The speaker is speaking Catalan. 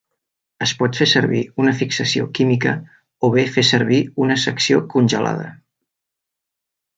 Es pot fer servir una fixació química, o bé fer servir una secció congelada.